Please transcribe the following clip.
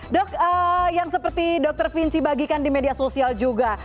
dok yang seperti dokter vinci bagikan di media sosial juga